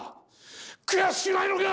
悔しくないのか！